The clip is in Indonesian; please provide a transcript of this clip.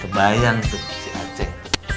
kebayang tuh si aceh